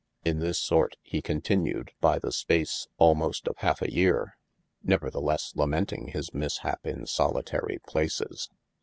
In this sort he continued by the space all most of halfe a yeare, neverthelesse lamenting his mishap in solytary places.